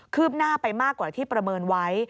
ืบหน้าไปมากกว่าที่ประเมินไว้